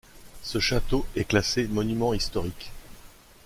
Ce château est classé monument historique.